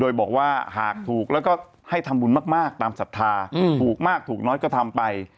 โดยบอกว่าหากถูกแล้วก็ให้ทำบุญมากตามศรัทธาถูกมากถูกน้อยก็ทำไป